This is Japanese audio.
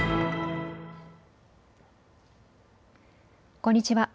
こんにちは。